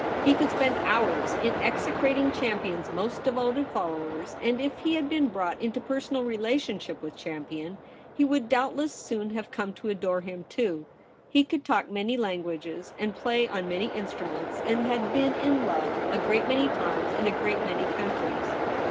He could spend hours in execrating Champion's most devoted followers, and if he had been brought into personal relationship with Champion he would doubtless soon have come to adore him too. He could talk many languages and play on many instruments, and he had been in love a great many times in a great many countries.